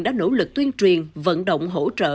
đã nỗ lực tuyên truyền vận động hỗ trợ